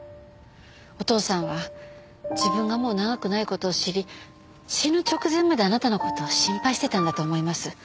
お父さんは自分がもう長くない事を知り死ぬ直前まであなたの事を心配してたんだと思います。